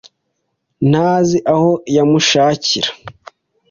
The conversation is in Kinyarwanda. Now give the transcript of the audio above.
Ntazi aho yamushakira.